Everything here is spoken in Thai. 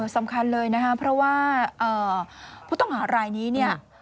สำคัญเลยนะครับเพราะว่าผู้ต้องหารายนี้